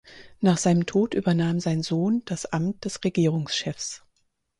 Nach seinem Tod übernahm sein Sohn das Amt des Regierungschefs.